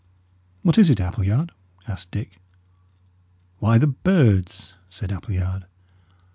"What is it, Appleyard?" asked Dick. "Why, the birds," said Appleyard.